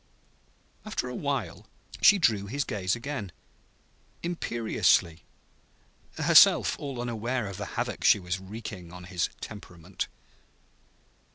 After a while she drew his gaze again, imperiously herself all unaware of the havoc she was wreaking on his temperament.